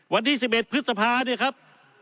วันที่๑๑พฤษภาเนี่ยครับ